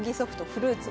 フルーツ